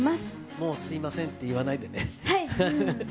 もうすみませんって言わないはい。